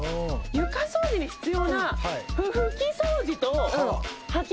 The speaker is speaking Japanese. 床掃除に必要な。